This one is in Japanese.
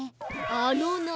あのな。